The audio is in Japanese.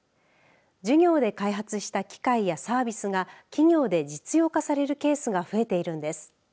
授業で開発した機械やサービスが企業で実用化されるケースが増えているんです。